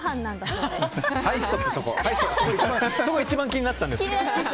そこ一番気になってたんです。